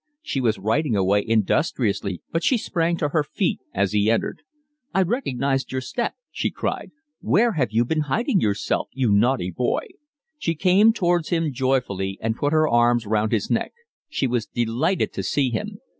She was writing away industriously, but she sprang to her feet as he entered. "I recognised your step," she cried. "Where have you been hiding yourself, you naughty boy?" She came towards him joyfully and put her arms round his neck. She was delighted to see him.